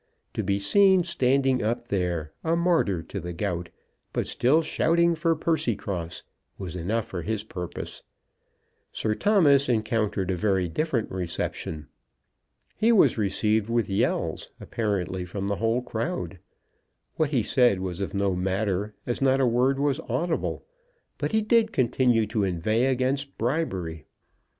To be seen standing up there, a martyr to the gout, but still shouting for Percycross, was enough for his purpose. Sir Thomas encountered a very different reception. He was received with yells, apparently from the whole crowd. What he said was of no matter, as not a word was audible; but he did continue to inveigh against bribery.